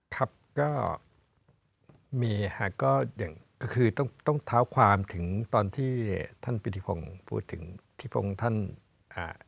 ครับก็มีฮะก็อย่างก็คือต้องต้องเท้าความถึงตอนที่ท่านปิติพงศ์พูดถึงที่พระองค์ท่านอ่า